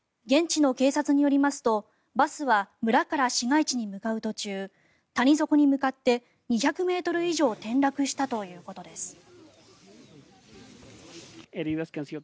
現地の警察によりますとバスは村から市街地に向かう途中谷底に向かって２００ｍ以上転落したということです。